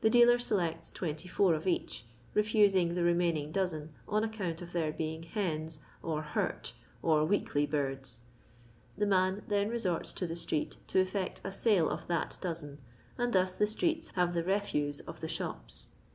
The dealer selects 24 of each, ro rosing the remaining dosen, on account of their being hens, or hurt, or weakly Inrds. The man then resorts to the street to effect a sale of that dosen, and thus the streets have the refuse of the shops.